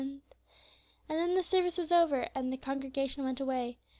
And then the service was over, and the congregation went away.